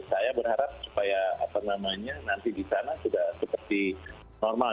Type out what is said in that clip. saya berharap supaya nanti di sana sudah seperti normal